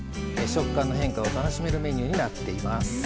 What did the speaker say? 食感の変化を楽しめるメニューになっています。